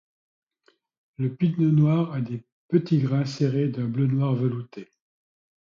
Le pinot noir a des petits grains serrés d’un bleu-noir velouté.